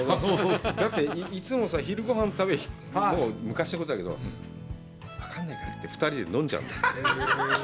だっていつも、昼ごはん食べてても、昔のことだけど、分からないからって、２人で飲んじゃうの。